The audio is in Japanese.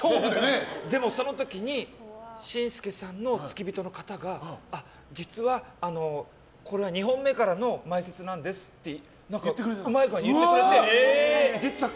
でも、その時に紳助さんの付き人の方が実は、これは２本目からの前説なんですってうまい具合に言ってくれて。